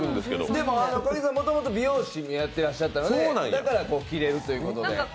でももともと美容師やってらっしゃったのでだから切れるということで。